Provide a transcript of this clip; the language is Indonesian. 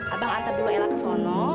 abang antar dulu ella ke sono